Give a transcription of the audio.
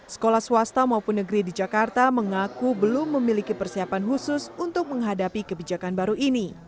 sekolah swasta maupun negeri di jakarta mengaku belum memiliki persiapan khusus untuk menghadapi kebijakan baru ini